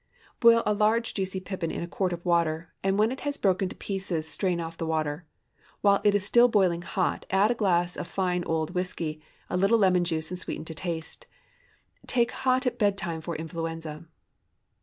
✠ Boil a large juicy pippin in a quart of water, and when it has broken to pieces strain off the water. While it is still boiling hot, add a glass of fine old whiskey, a little lemon juice, and sweeten to taste. Take hot at bed time for influenza.